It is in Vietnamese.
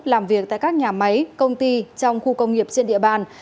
làm việc tại các nhà máy công ty trong khu công nghiệp trên địa bàn